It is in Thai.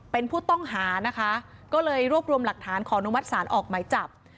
เป็นผู้ต้องหานะคะก็เลยรวบรวมหลักฐานขออนุมัติศาลออกหมายจับ